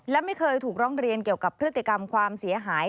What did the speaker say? และไม่เคยถูกร้องเรียนเกี่ยวกับพฤติกรรมความเสียหาย